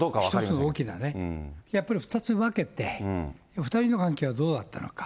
１つの大きなね、やっぱり２つに分けて、２人の関係はどうだったのか。